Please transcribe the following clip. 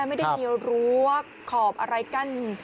ไม่ได้มีรั้วขอบอะไรกั้น